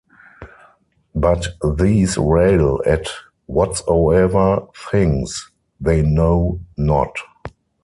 But these rail at whatsoever things they know not: